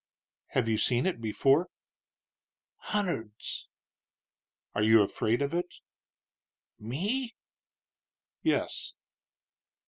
"Have you seen it before?" "Hunderds." "Are you afraid of it?" "Me?" "Yes."